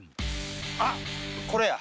あっこれや！